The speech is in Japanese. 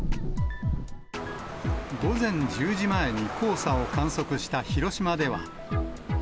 午前１０時前に黄砂を観測した広島では。